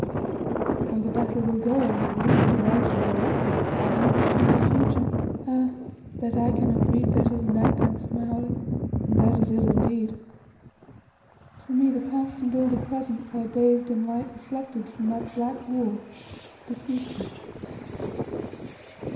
How the battle will go I know well, for I shall direct it, but the future ah! that I cannot read better than thou canst, my Holly, and that is ill indeed. For me the past and all the present lie bathed in light reflected from that black wall the future."